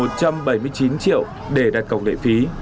một trăm bảy mươi chín triệu để đặt cổng lệ phí